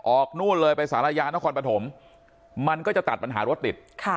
นู่นเลยไปสารยานครปฐมมันก็จะตัดปัญหารถติด